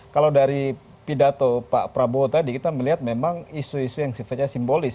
kalau dari pidato pak prabowo tadi kita melihat memang isu isu yang sifatnya simbolis